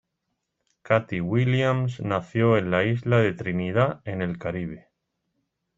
Cathy Williams nació en la Isla Trinidad en el Caribe.